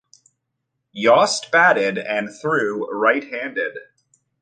Yost batted and threw right-handed.